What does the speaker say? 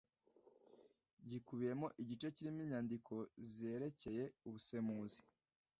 gikubiyemo igice kirimo inyandiko zerekeye ubusemuzi